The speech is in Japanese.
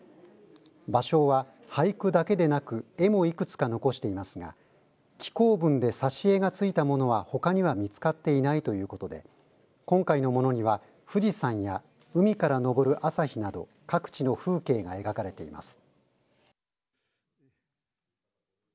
芭蕉は、俳句だけでなく絵もいくつか残していますが紀行文で挿絵がついたものはほかには見つかっていないということで今回のものには富士山や海からのぼる朝日など各地の風景が描かれています。